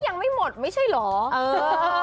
ยังไม่หมดไม่ใช่เหรอ